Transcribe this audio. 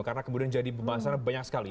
karena kemudian jadi pembahasan banyak sekali